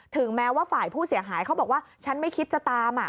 แม้ว่าฝ่ายผู้เสียหายเขาบอกว่าฉันไม่คิดจะตาม